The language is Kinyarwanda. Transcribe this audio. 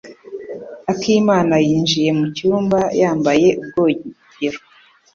akimana yinjiye mucyumba yambaye ubwogero.